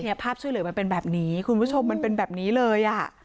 ภาพช่วยเหลือมันเป็นแบบนี้คุณผู้ชมมันเป็นแบบนี้เลยอ่ะ